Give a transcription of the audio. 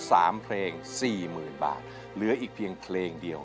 สามเพลงสี่หมื่นบาทเหลืออีกเพียงเพลงเดียว